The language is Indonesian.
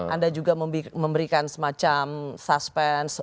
anda juga memberikan semacam suspense